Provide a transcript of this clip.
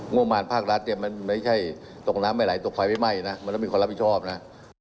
งบประมาณภาครัฐมันไม่ใช่ตกน้ำไม่ไหลตกไฟไม่ไหมนะมันต้องมีคนรับผิดชอบนะ